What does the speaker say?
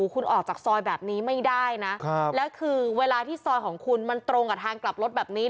คุณออกจากซอยแบบนี้ไม่ได้นะแล้วคือเวลาที่ซอยของคุณมันตรงกับทางกลับรถแบบนี้